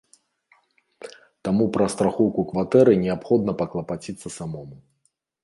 Таму пра страхоўку кватэры неабходна паклапаціцца самому.